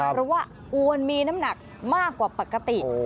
เพราะว่าอวนมีน้ำหนักมากกว่าปกติ